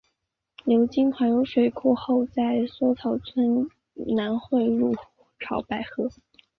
流经怀柔水库后在梭草村南汇入潮白河。